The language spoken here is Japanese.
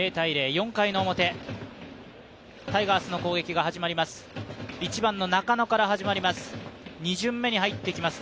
４回表、タイガースの攻撃が始まります。